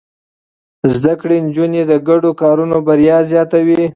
زده کړې نجونې د ګډو کارونو بريا زياتوي.